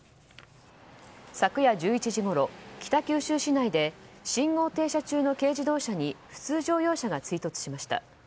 昨夜１１時ごろ、北九州市内で信号停車中の軽自動車に普通乗用車が追突しました。